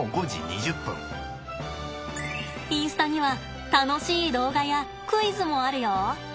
インスタには楽しい動画やクイズもあるよ！